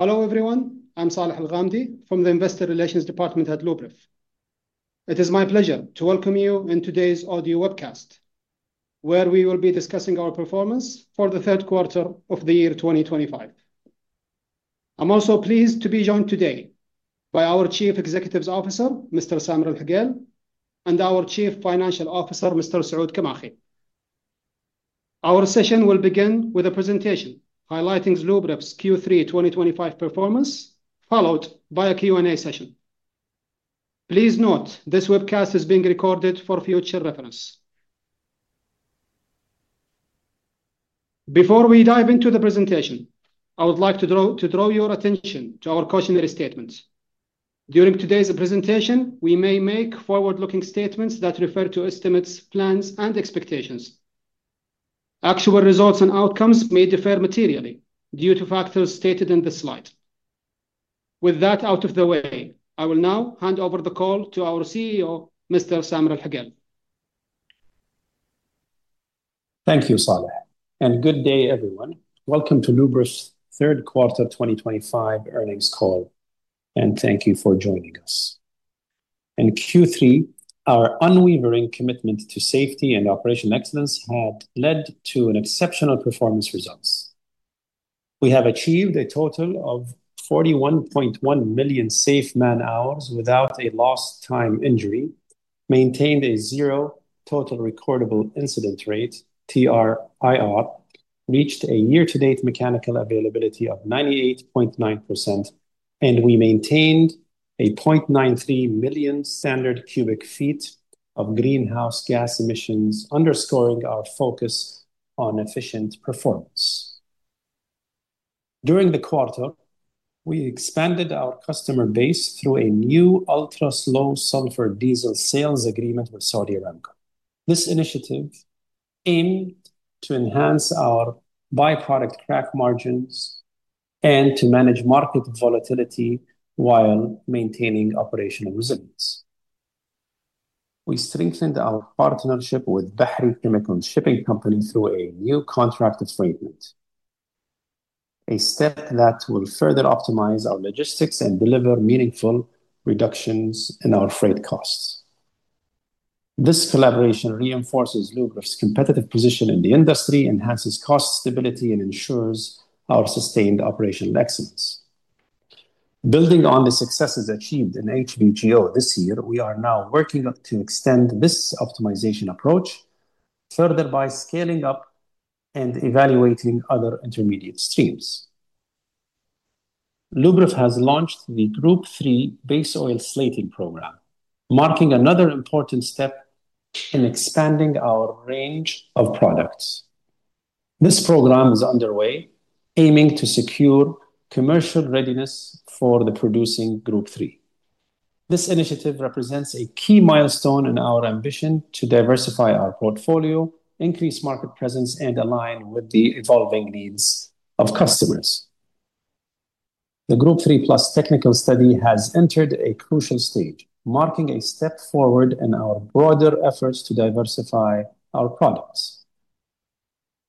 Hello, everyone. I'm Saleh AlGhamdi from the Investor Relations Department at Luberef. It is my pleasure to welcome you in today's audio webcast, where we will be discussing our performance for the third quarter of the year 2025. I'm also pleased to be joined today by our Chief Executive Officer, Mr. Samer Al-Hokail, and our Chief Financial Officer, Mr. Saud kamakhi. Our session will begin with a presentation highlighting Luberef's Q3 2025 performance, followed by a Q&A session. Please note this webcast is being recorded for future reference. Before we dive into the presentation, I would like to draw your attention to our cautionary statements. During today's presentation, we may make forward-looking statements that refer to estimates, plans, and expectations. Actual results and outcomes may differ materially due to factors stated in this slide. With that out of the way, I will now hand over the call to our CEO, Mr. Samer Al-Hokail. Thank you, Saleh. Good day, everyone. Welcome to Luberef's third quarter 2025 earnings call, and thank you for joining us. In Q3, our unwavering commitment to safety and operational excellence has led to exceptional performance results. We have achieved a total of 41.1 million safe man-hours without a lost-time injury, maintained a zero total recordable incident rate, TRIR, reached a year-to-date mechanical availability of 98.9%, and we maintained 0.93 million standard cu ft of greenhouse gas emissions, underscoring our focus on efficient performance. During the quarter, we expanded our customer base through a new ultra-low sulfur diesel sales agreement with Saudi Aramco. This initiative aimed to enhance our byproduct crack margins and to manage market volatility while maintaining operational resilience. We strengthened our partnership with Bahri Chemicals through a new contract of affreightment, a step that will further optimize our logistics and deliver meaningful reductions in our freight costs. This collaboration reinforces Luberef's competitive position in the industry, enhances cost stability, and ensures our sustained operational excellence. Building on the successes achieved in HBGO this year, we are now working to extend this optimization approach further by scaling up and evaluating other intermediate streams. Luberef has launched the Group 3 base oil slating program, marking another important step in expanding our range of products. This program is underway, aiming to secure commercial readiness for producing Group 3. This initiative represents a key milestone in our ambition to diversify our portfolio, increase market presence, and align with the evolving needs of customers. The Group 3 Plus technical study has entered a crucial stage, marking a step forward in our broader efforts to diversify our products.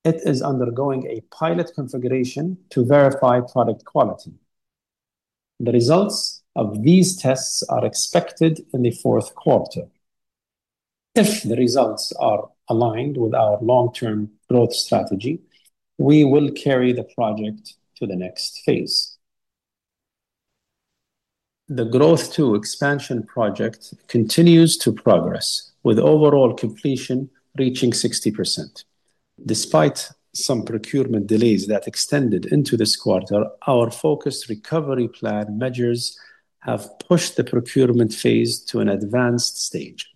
It is undergoing a pilot configuration to verify product quality. The results of these tests are expected in the fourth quarter. If the results are aligned with our long-term growth strategy, we will carry the project to the next phase. The Growth 2 expansion project continues to progress, with overall completion reaching 60%. Despite some procurement delays that extended into this quarter, our focused recovery plan measures have pushed the procurement phase to an advanced stage.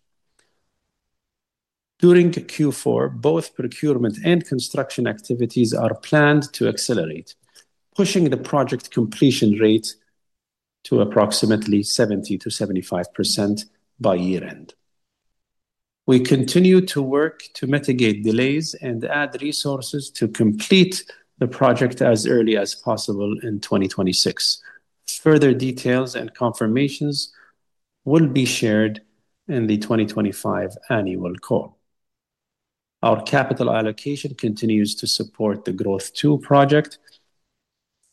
During Q4, both procurement and construction activities are planned to accelerate, pushing the project completion rate to approximately 70%-75% by year-end. We continue to work to mitigate delays and add resources to complete the project as early as possible in 2026. Further details and confirmations will be shared in the 2025 annual call. Our capital allocation continues to support the Growth 2 project.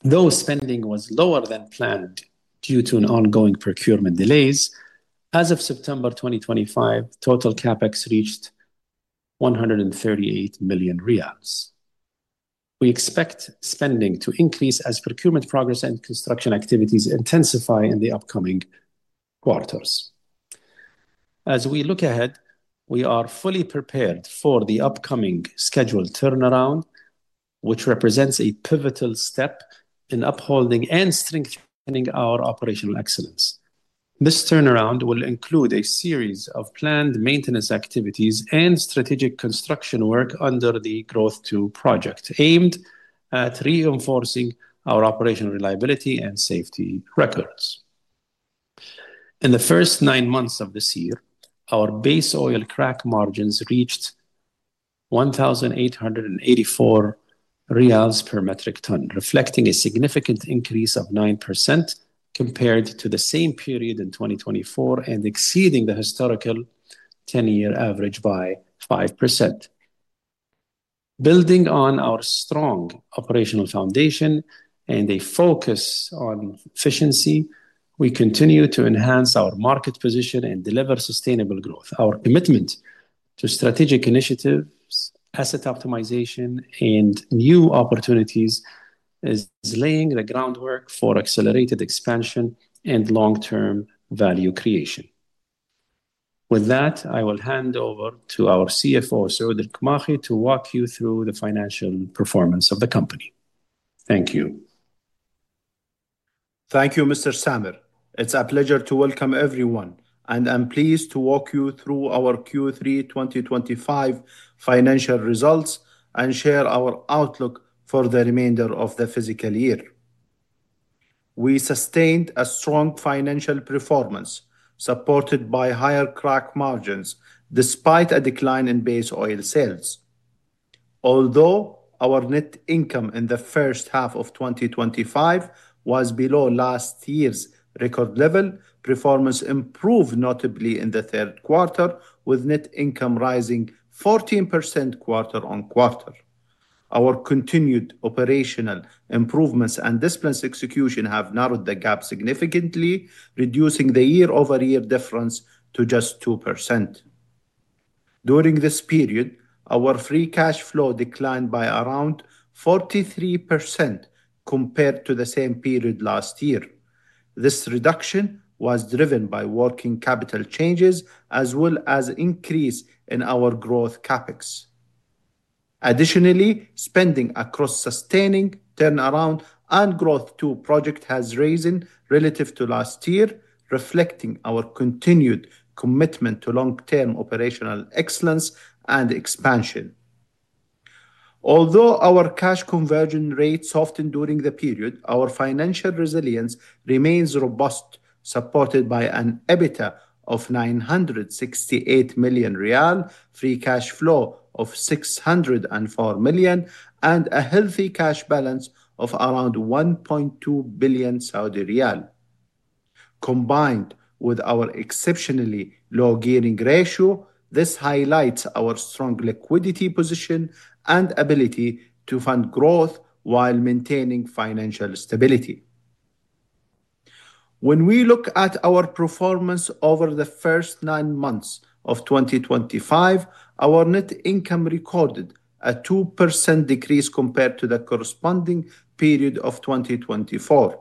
Though spending was lower than planned due to ongoing procurement delays, as of September 2025, total CapEx reached 138 million riyals. We expect spending to increase as procurement progresses and construction activities intensify in the upcoming quarters. As we look ahead, we are fully prepared for the upcoming scheduled turnaround, which represents a pivotal step in upholding and strengthening our operational excellence. This turnaround will include a series of planned maintenance activities and strategic construction work under the Growth 2 project, aimed at reinforcing our operational reliability and safety records. In the first nine months of this year, our base oil crack margins reached 1,884 riyals per metric ton, reflecting a significant increase of 9% compared to the same period in 2024 and exceeding the historical 10-year average by 5%. Building on our strong operational foundation and a focus on efficiency, we continue to enhance our market position and deliver sustainable growth. Our commitment to strategic initiatives, asset optimization, and new opportunities is laying the groundwork for accelerated expansion and long-term value creation. With that, I will hand over to our CFO, Saud Kamakhi, to walk you through the financial performance of the company. Thank you. Thank you, Mr. Samer. It's a pleasure to welcome everyone, and I'm pleased to walk you through our Q3 2025 financial results and share our outlook for the remainder of the fiscal year. We sustained a strong financial performance supported by higher crack margins despite a decline in base oil sales. Although our net income in the first half of 2025 was below last year's record level, performance improved notably in the third quarter, with net income rising 14% quarter on quarter. Our continued operational improvements and disbursement execution have narrowed the gap significantly, reducing the year-over-year difference to just 2%. During this period, our free cash flow declined by around 43% compared to the same period last year. This reduction was driven by working capital changes as well as an increase in our growth CapEx. Additionally, spending across sustaining turnaround and Growth 2 project has risen relative to last year, reflecting our continued commitment to long-term operational excellence and expansion. Although our cash conversion rates softened during the period, our financial resilience remains robust, supported by an EBITDA of SAR 968 million, free cash flow of 604 million, and a healthy cash balance of around 1.2 billion Saudi riyal. Combined with our exceptionally low gearing ratio, this highlights our strong liquidity position and ability to fund growth while maintaining financial stability. When we look at our performance over the first nine months of 2025, our net income recorded a 2% decrease compared to the corresponding period of 2024.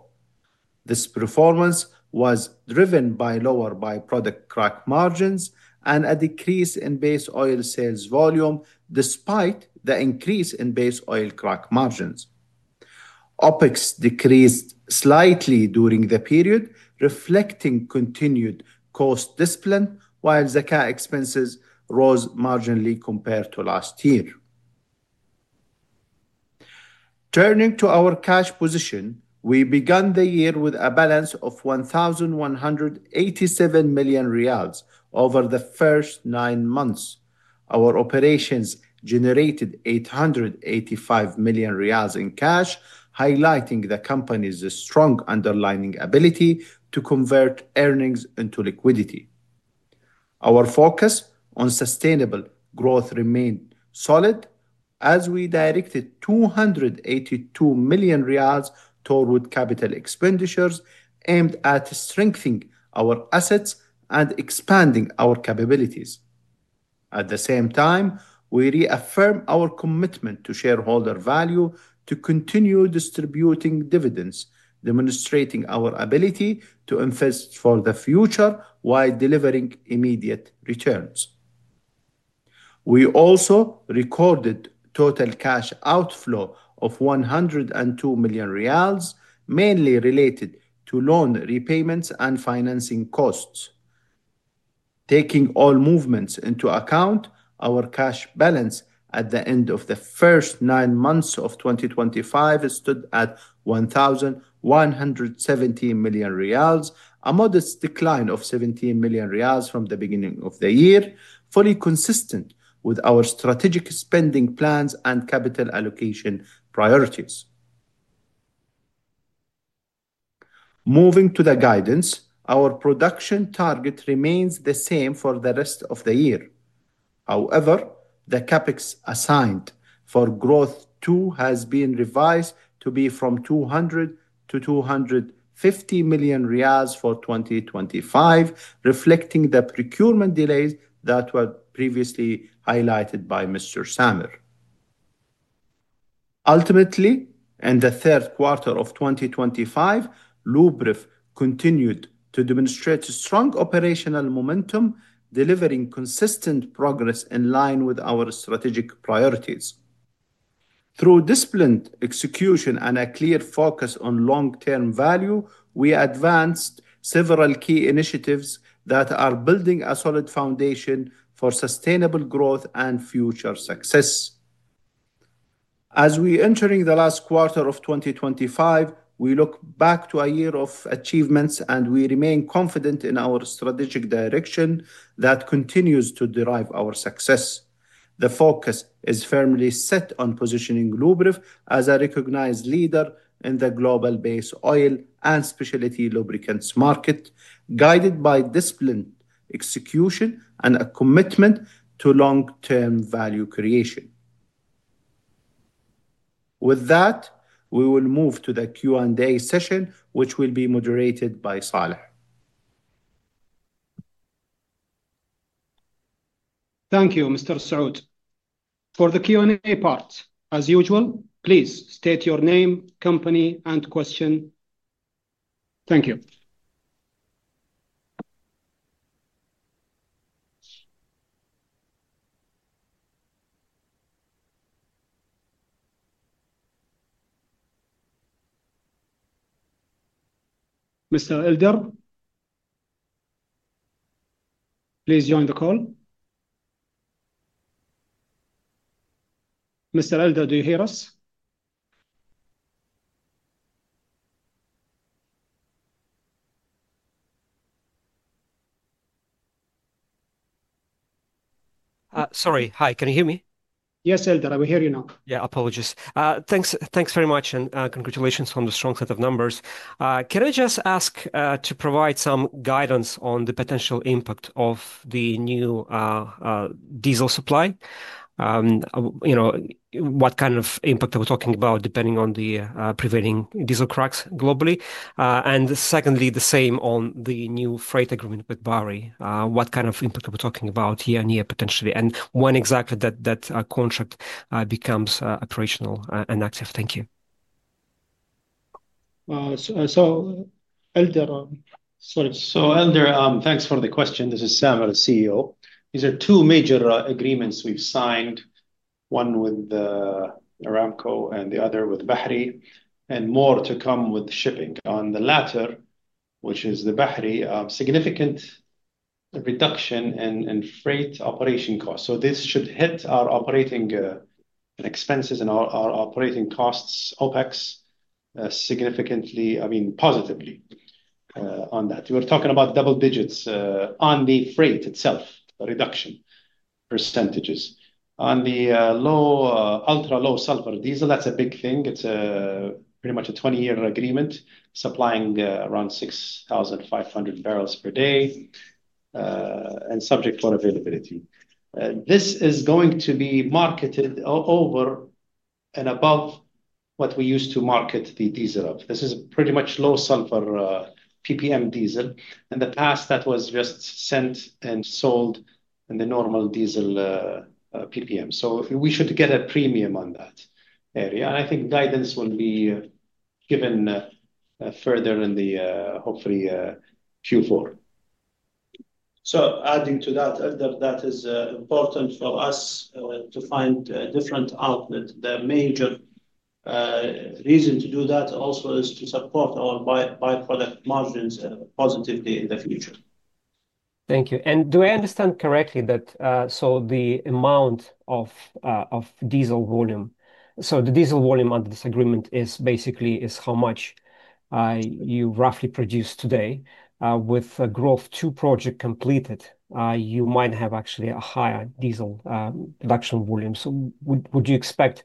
This performance was driven by lower byproduct crack margins and a decrease in base oil sales volume despite the increase in base oil crack margins. OpEx decreased slightly during the period, reflecting continued cost discipline while Zakat expenses rose marginally compared to last year. Turning to our cash position, we began the year with a balance of 1,187 million riyals. Over the first nine months, our operations generated 885 million riyals in cash, highlighting the company's strong underlining ability to convert earnings into liquidity. Our focus on sustainable growth remained solid as we directed 282 million riyals toward capital expenditures aimed at strengthening our assets and expanding our capabilities. At the same time, we reaffirm our commitment to shareholder value to continue distributing dividends, demonstrating our ability to invest for the future while delivering immediate returns. We also recorded total cash outflow of 102 million riyals, mainly related to loan repayments and financing costs. Taking all movements into account, our cash balance at the end of the first nine months of 2025 stood at 1,170 million riyals, a modest decline of 17 million riyals from the beginning of the year, fully consistent with our strategic spending plans and capital allocation priorities. Moving to the guidance, our production target remains the same for the rest of the year. However, the CapEx assigned for Growth 2 has been revised to be from 200-250 million riyals for 2025, reflecting the procurement delays that were previously highlighted by Mr. Samer. Ultimately, in the third quarter of 2025, Luberef continued to demonstrate strong operational momentum, delivering consistent progress in line with our strategic priorities. Through disciplined execution and a clear focus on long-term value, we advanced several key initiatives that are building a solid foundation for sustainable growth and future success. As we are entering the last quarter of 2025, we look back to a year of achievements, and we remain confident in our strategic direction that continues to drive our success. The focus is firmly set on positioning Luberef as a recognized leader in the global base oil and specialty lubricants market, guided by disciplined execution and a commitment to long-term value creation. With that, we will move to the Q&A session, which will be moderated by Saleh. Thank you, Mr. Saud. For the Q&A part, as usual, please state your name, company, and question. Thank you. Mr. Elder. Please join the call. Mr. Elder, do you hear us? Sorry, hi. Can you hear me? Yes, Elder, I will hear you now. Yeah, apologies. Thanks very much and congratulations on the strong set of numbers. Can I just ask to provide some guidance on the potential impact of the new diesel supply? What kind of impact are we talking about depending on the prevailing diesel cracks globally? Secondly, the same on the new freight agreement with Bahri, what kind of impact are we talking about here potentially? When exactly does that contract become operational and active? Thank you. Sorry, Elder. Elder, thanks for the question. This is Samer, the CEO. These are two major agreements we have signed, one with Aramco and the other with Bahri, and more to come with shipping. On the latter, which is the Bahri, significant reduction in freight operation costs. This should hit our operating expenses and our operating costs, OpEx, significantly, I mean, positively. On that, we were talking about double digits on the freight itself, the reduction percentages. On the low, ultra-low sulfur diesel, that is a big thing. It is pretty much a 20-year agreement, supplying around 6,500 bbl per day and subject for availability. This is going to be marketed over and above what we used to market the diesel of. This is pretty much low sulfur PPM diesel. In the past, that was just sent and sold in the normal diesel PPM. We should get a premium on that area. I think guidance will be given further in the, hopefully, Q4. Adding to that, Elder, that is important for us to find a different outlet. The major reason to do that also is to support our byproduct margins positively in the future. Thank you. Do I understand correctly that the diesel volume under this agreement is basically how much you roughly produce today? With the Growth II project completed, you might have actually a higher diesel production volume. Would you expect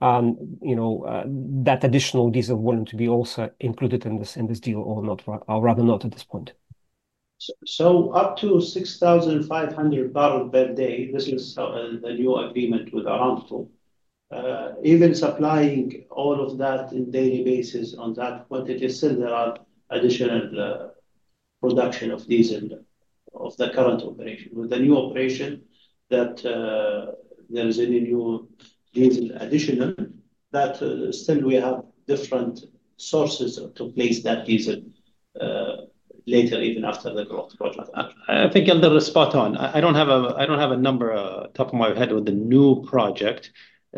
that additional diesel volume to be also included in this deal or not, or rather not at this point? Up to 6,500 bbl per day, this is the new agreement with Aramco. Even supplying all of that on a daily basis on that quantity, still there are additional production of diesel of the current operation. With the new operation, if there is any new diesel additional, we still have different sources to place that diesel. Later, even after the Growth II. I think Elder is spot on. I do not have a number on top of my head with the new project.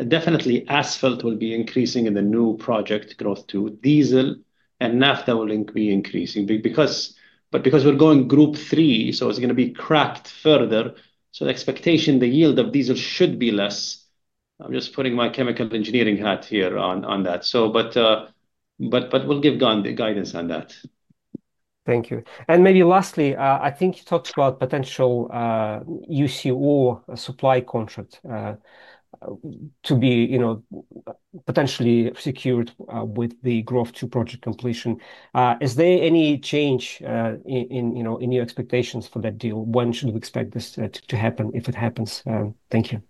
Definitely, asphalt will be increasing in the new project, Growth II diesel and naphtha will be increasing. Because we are going Group III, it is going to be cracked further, so the expectation, the yield of diesel should be less. I am just putting my chemical engineering hat here on that. We will give guidance on that. Thank you. Maybe lastly, I think you talked about potential UCO supply contract to be potentially secured with the Growth II project completion. Is there any change in your expectations for that deal? When should we expect this to happen if it happens? Thank you.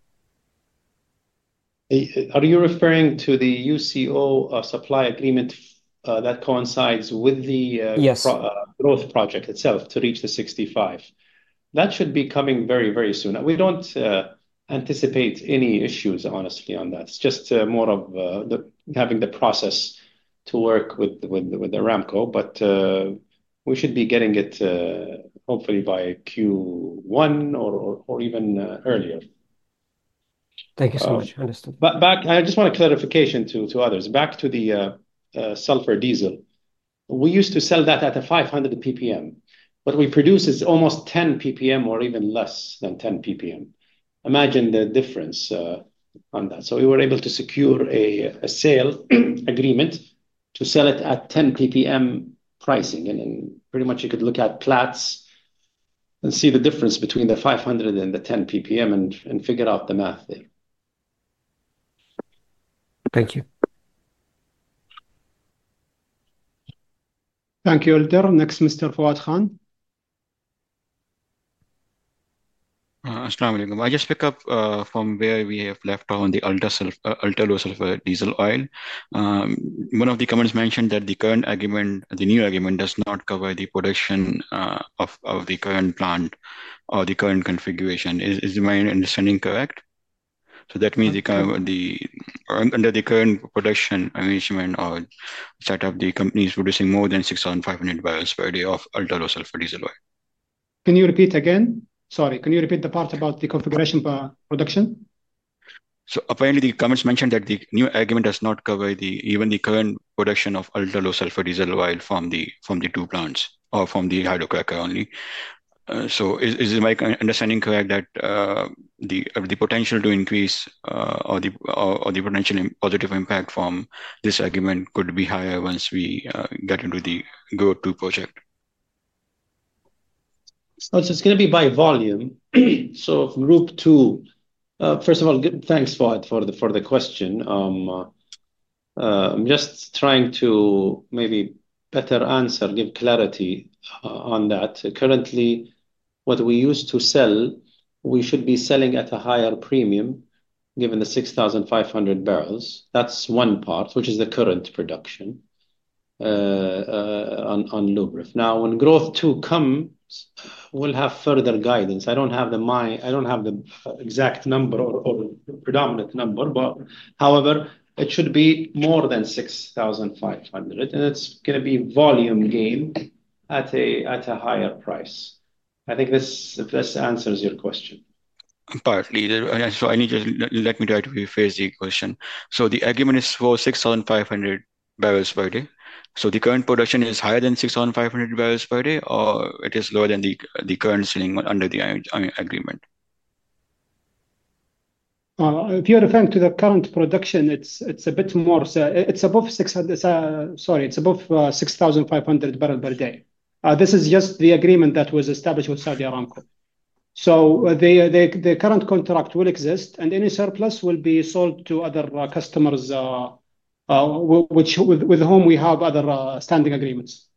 Are you referring to the UCO supply agreement that coincides with the Growth project itself to reach the 65? That should be coming very, very soon. We do not anticipate any issues, honestly, on that. It is just more of having the process to work with Aramco. We should be getting it, hopefully by Q1 or even earlier. Thank you so much. Understood. Back, I just want a clarification to others. Back to the sulfur diesel. We used to sell that at a 500 PPM, but we produce almost 10 PPM or even less than 10 PPM. Imagine the difference on that. We were able to secure a sale agreement to sell it at 10 PPM pricing. You could look at Platts and see the difference between the 500 PPM and the 10 PPM and figure out the math there. Thank you. Thank you, Elder. Next, Mr. Fawad Khan. Assalamu alaikum. I just picked up from where we have left on the ultra-low sulfur diesel. One of the comments mentioned that the current agreement, the new agreement, does not cover the production of the current plant or the current configuration. Is my understanding correct? That means under the current production arrangement or setup, the company is producing more than 6,500 bbl per day of ultra-low sulfur diesel. Can you repeat again? Sorry, can you repeat the part about the configuration production? Apparently the comments mentioned that the new agreement does not cover even the current production of ultra-low sulfur diesel from the two plants or from the hydrocracker only. Is my understanding correct that the potential to increase or the potential positive impact from this agreement could be higher once we get into the Growth II project? It's going to be by volume. Group II. First of all, thanks, Fawad, for the question. I'm just trying to maybe better answer, give clarity on that. Currently, what we used to sell, we should be selling at a higher premium given the 6,500 bbl. That's one part, which is the current production. On Luberef. Now, when Growth II comes, we'll have further guidance. I don't have the exact number or predominant number, but however, it should be more than 6,500 bbl. It's going to be volume gain at a higher price. I think this answers your question. Partly. Let me try to rephrase the question. The agreement is for 6,500 bbl per day. Is the current production higher than 6,500 bbl per day, or is it lower than the current selling under the agreement? If you're referring to the current production, it's a bit more. It's above 6,000 bbl. Sorry, it's above 6,500 bbl per day. This is just the agreement that was established with Saudi Aramco. The current contract will exist, and any surplus will be sold to other customers with whom we have other standing agreements.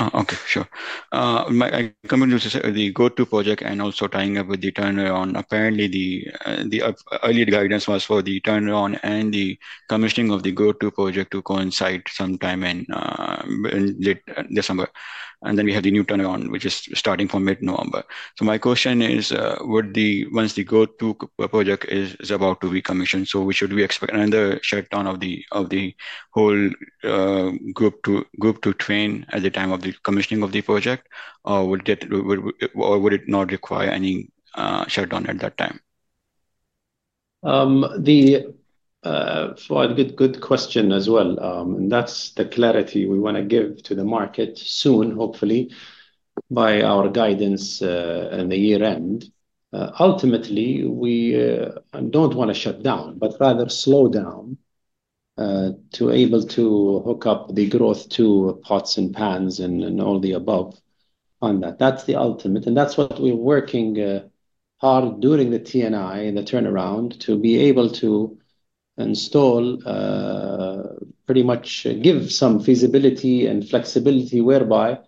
Okay, sure. I commissioned the Growth II project and also tying up with the turnaround. Apparently, the early guidance was for the turnaround and the commissioning of the Growth II project to coincide sometime in late December. Then we have the new turnaround, which is starting from mid-November. My question is, once the Growth II project is about to be commissioned, should we expect another shutdown of the whole Group II train at the time of the commissioning of the project, or would it not require any shutdown at that time? Fawad, good question as well. That is the clarity we want to give to the market soon, hopefully by our guidance in the year-end. Ultimately, we do not want to shut down, but rather slow down to be able to hook up the Growth 2 pots and pans and all the above on that. That is the ultimate, and that is what we are working hard during the TNI, the turnaround, to be able to install. Pretty much give some feasibility and flexibility whereby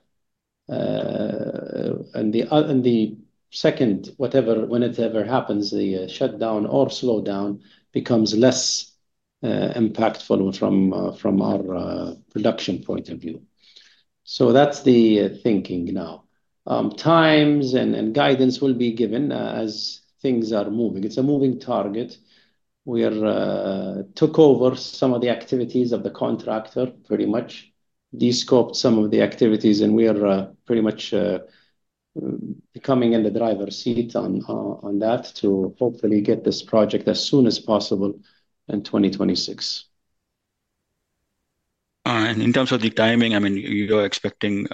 in the second, whatever, whenever it happens, the shutdown or slowdown becomes less impactful from our production point of view. That is the thinking now. Times and guidance will be given as things are moving. It is a moving target. We took over some of the activities of the contractor, pretty much descoped some of the activities, and we are pretty much becoming in the driver's seat on that to hopefully get this project as soon as possible in 2026. In terms of the timing, I mean, you're expecting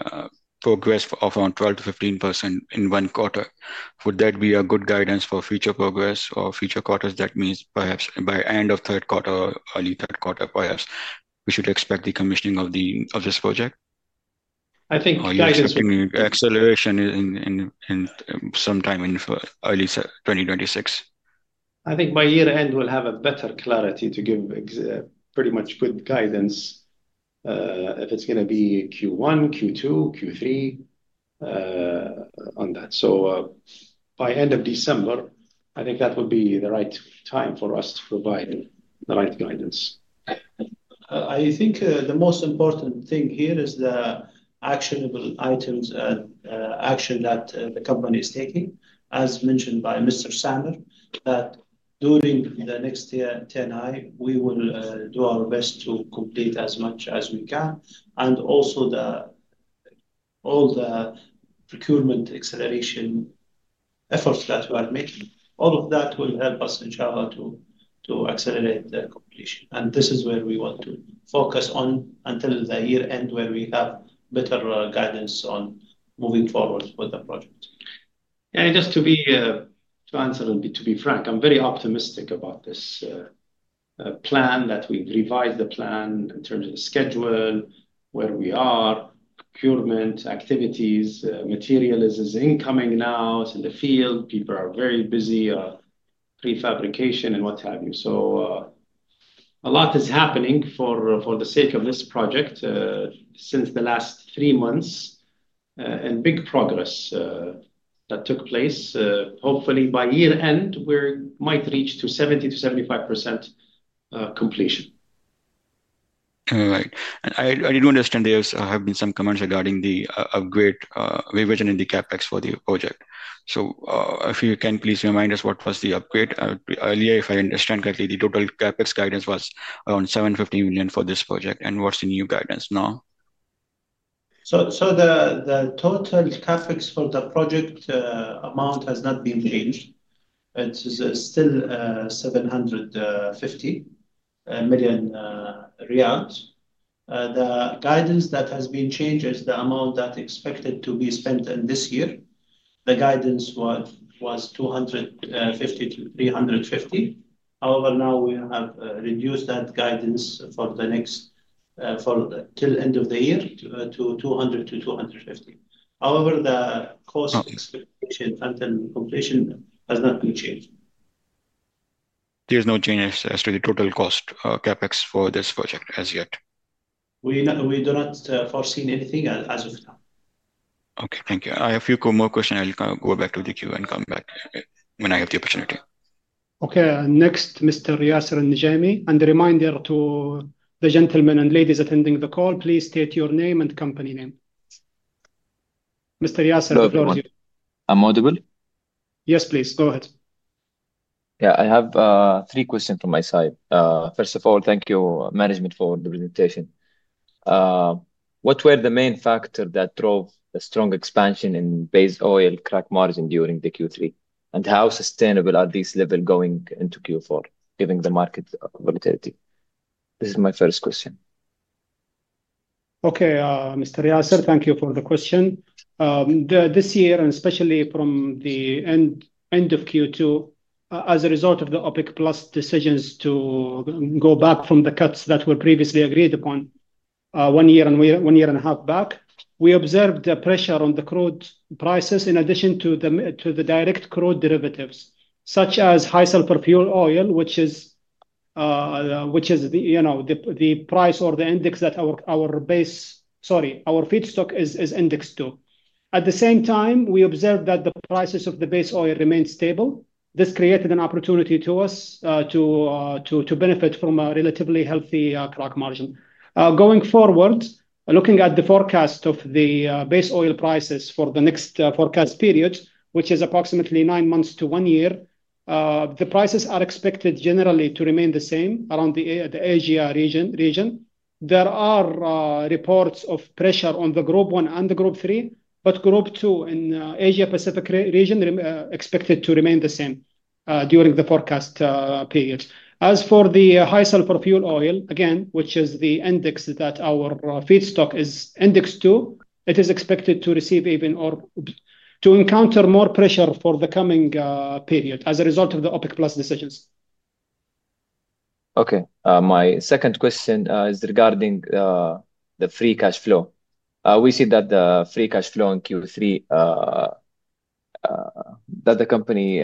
progress of around 12%, 15% in one quarter. Would that be good guidance for future progress or future quarters? That means perhaps by end of third quarter, early third quarter, perhaps we should expect the commissioning of this project? I think. Or you're expecting acceleration in sometime in early 2026? I think by year-end, we'll have better clarity to give pretty much good guidance. If it's going to be Q1, Q2, Q3 on that. By end of December, I think that would be the right time for us to provide the right guidance. I think the most important thing here is the actionable items, action that the company is taking. As mentioned by Mr. Samir, that during the next TNI, we will do our best to complete as much as we can. Also, all the procurement acceleration efforts that we are making, all of that will help us, inshallah, to accelerate the completion. This is where we want to focus on until the year-end, where we have better guidance on moving forward with the project. Yeah, just to be to answer and to be frank, I'm very optimistic about this. Plan that we've revised the plan in terms of the schedule, where we are, procurement activities, material is incoming now. It's in the field. People are very busy. Prefabrication and what have you. A lot is happening for the sake of this project. Since the last three months. And big progress. That took place. Hopefully, by year-end, we might reach 70%, 75% completion. All right. I didn't understand. There have been some comments regarding the upgrade revision in the CapEx for the project. If you can please remind us what was the upgrade. Earlier, if I understand correctly, the total CapEx guidance was around 750 million for this project. What's the new guidance now? The total CapEx for the project amount has not been changed. It is still 750 million riyals. The guidance that has been changed is the amount that is expected to be spent in this year. The guidance was 250 million-350 million. However, now we have reduced that guidance for the next till end of the year to 200 million-250 million. However, the cost expectation until completion has not been changed. There's no change as to the total cost CapEx for this project as yet? We do not foresee anything as of now. Okay, thank you. I have a few more questions. I'll go back to the Q&A when I have the opportunity. Okay. Next, Mr. Yasser Nijami. A reminder to the gentlemen and ladies attending the call, please state your name and company name. Mr. Yasser, the floor is yours. I am audible? Yes, please. Go ahead. Yeah, I have three questions from my side. First of all, thank you, management, for the presentation. What were the main factors that drove the strong expansion in base oil crack margin during the Q3? How sustainable are these levels going into Q4, giving the market volatility? This is my first question. Okay, Mr. Yasser, thank you for the question. This year, and especially from the end of Q2, as a result of the OPEC Plus decisions to go back from the cuts that were previously agreed upon one year and a half back, we observed pressure on the crude prices in addition to the direct crude derivatives, such as high sulfur fuel oil, which is the price or the index that our feedstock is indexed to. At the same time, we observed that the prices of the base oil remained stable. This created an opportunity to us to benefit from a relatively healthy crack margin. Going forward, looking at the forecast of the base oil prices for the next forecast period, which is approximately nine months to one year, the prices are expected generally to remain the same around the Asia region. There are reports of pressure on the Group I and the Group III, but Group II in the Asia-Pacific region is expected to remain the same during the forecast period. As for the high sulfur fuel oil, again, which is the index that our feedstock is indexed to, it is expected to receive even, to encounter more pressure for the coming period as a result of the OPEC Plus decisions. Okay. My second question is regarding the free cash flow. We see that the free cash flow in Q3. That the company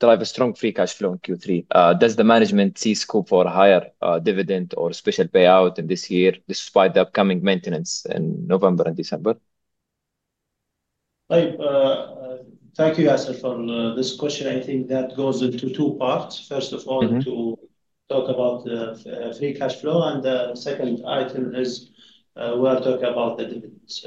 drives a strong free cash flow in Q3. Does the management see scope for a higher dividend or special payout in this year despite the upcoming maintenance in November and December? Thank you, Yasser, for this question. I think that goes into two parts. First of all, to talk about free cash flow, and the second item is, we'll talk about the dividends.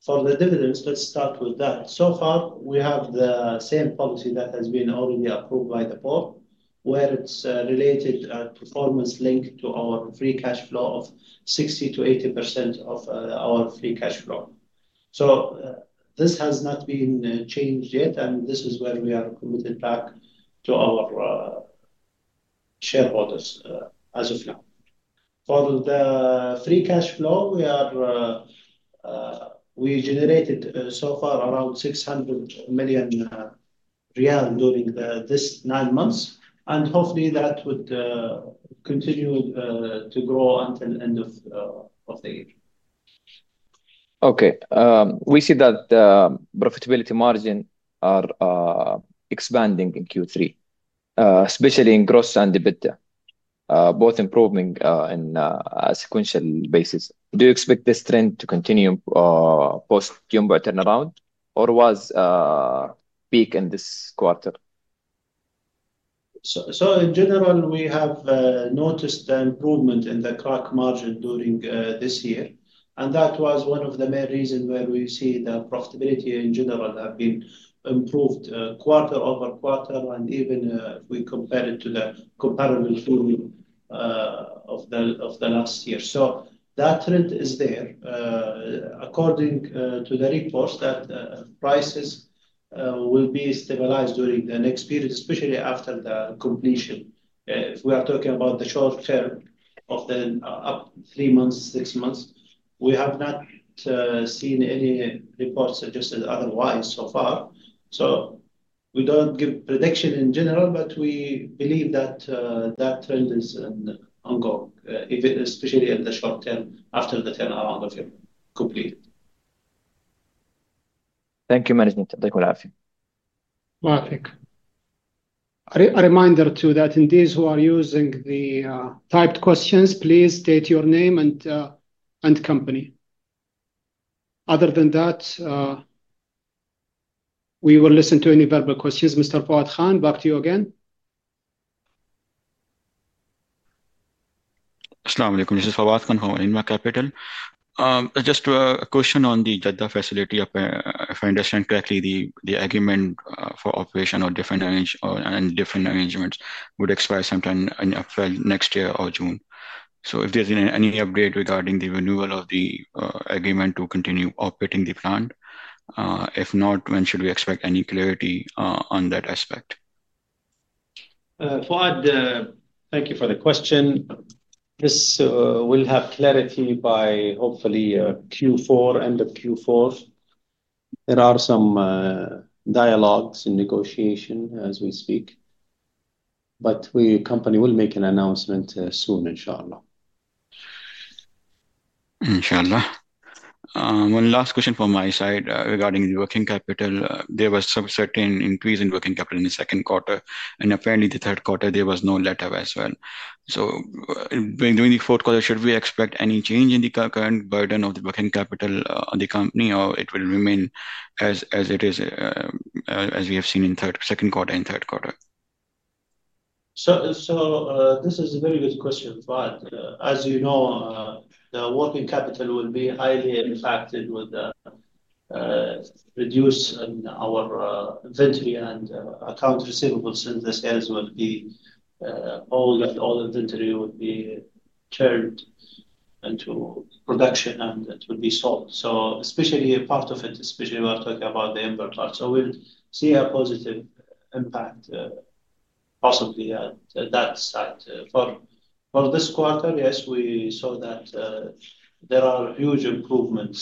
For the dividends, let's start with that. So far, we have the same policy that has been already approved by the board, where it's related to performance linked to our free cash flow of 60%-80% of our free cash flow. This has not been changed yet, and this is where we are committed back to our shareholders as of now. For the free cash flow, we generated so far around 600 million riyal during these nine months, and hopefully that would continue to grow until the end of the year. Okay. We see that the profitability margins are expanding in Q3, especially in gross and EBITDA, both improving on a sequential basis. Do you expect this trend to continue post-Jumbo turnaround, or was peak in this quarter? In general, we have noticed the improvement in the crack margin during this year. That was one of the main reasons where we see the profitability in general has been improved quarter over quarter, and even if we compare it to the comparable of the last year. That trend is there. According to the reports, prices will be stabilized during the next period, especially after the completion. If we are talking about the short term of the up three months, six months, we have not seen any reports suggested otherwise so far. We do not give predictions in general, but we believe that trend is ongoing, especially in the short term after the turnaround of completion. Thank you, management. Thank you. Rafik. A reminder too that in those who are using the typed questions, please state your name and company. Other than that, we will listen to any verbal questions. Mr. Fawad Khan, back to you again. Assalamu Alaykum. This is Fawad Khan, Alinma Capital. Just a question on the Jeddah facility. If I understand correctly, the agreement for operation or different, and different arrangements would expire sometime in next year or June. If there's any update regarding the renewal of the agreement to continue operating the plant. If not, when should we expect any clarity on that aspect? Fuad, thank you for the question. This will have clarity by hopefully Q4, end of Q4. There are some dialogues in negotiation as we speak. The company will make an announcement soon, inshallah. Inshallah. One last question from my side regarding the working capital. There was some certain increase in working capital in the second quarter. Apparently, the third quarter, there was no letter as well. During the fourth quarter, should we expect any change in the current burden of the working capital of the company, or will it remain as it is, as we have seen in the second quarter and third quarter? This is a very good question, Fuad. As you know, the working capital will be highly impacted with the reduced in our inventory and accounts receivables since the sales will be. All inventory will be turned into production and it will be sold. Especially part of it, especially we are talking about the invert part. We will see a positive impact, possibly at that site. For this quarter, yes, we saw that. There are huge improvements.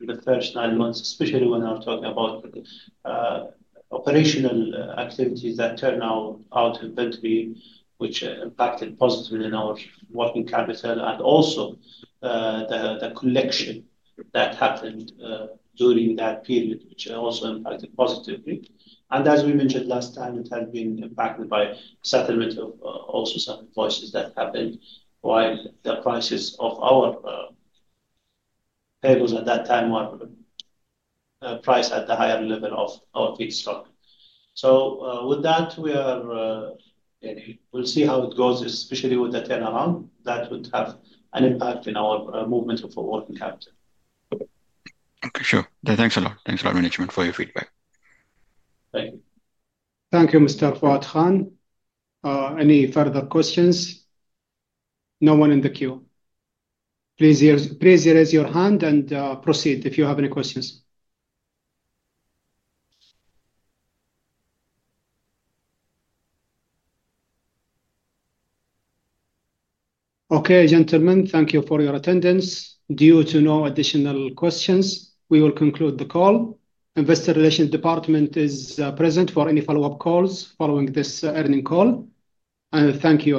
In the first nine months, especially when we are talking about operational activities that turn out inventory, which impacted positively in our working capital. Also, the collection that happened during that period, which also impacted positively. As we mentioned last time, it has been impacted by settlement of also some voices that happened while the prices of our tables at that time were priced at the higher level of our feedstock. With that, we are. We will see how it goes, especially with the turnaround. That would have an impact in our movement of our working capital. Okay, sure. Thanks a lot. Thanks a lot, management, for your feedback. Thank you. Thank you, Mr. Fawad Khan. Any further questions? No one in the queue. Please raise your hand and proceed if you have any questions. Okay, gentlemen, thank you for your attendance. Due to no additional questions, we will conclude the call. Investor Relations Department is present for any follow-up calls following this earnings call. Thank you.